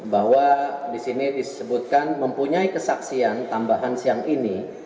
bahwa di sini disebutkan mempunyai kesaksian tambahan siang ini